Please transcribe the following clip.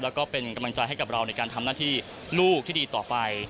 แล้วก็เป็นกำลังใจให้กับเราในการทำหน้าที่ลูกที่ดีต่อไป